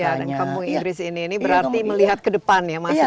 ya dan kampung inggris ini berarti melihat ke depan ya mas ke depan